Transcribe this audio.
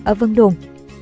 ở vân đồn